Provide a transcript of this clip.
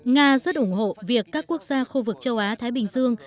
nga rất ủng hộ việc các quốc gia khu vực châu á thái bình dương